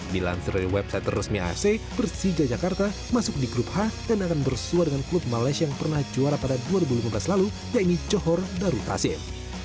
dilansir dari website resmi afc persija jakarta masuk di grup h dan akan bersuara dengan klub malaysia yang pernah juara pada dua ribu lima belas lalu yaitu johor daru tasim